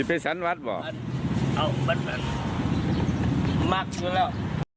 ไปสั้นวัดบอกเอามากกว่าแล้ว